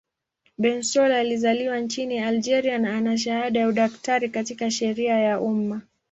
Bensaoula alizaliwa nchini Algeria na ana shahada ya udaktari katika sheria ya umma.